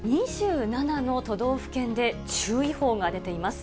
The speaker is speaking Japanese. ２７の都道府県で注意報が出ています。